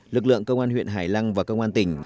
lực lượng công an huyện hải lăng và công an tỉnh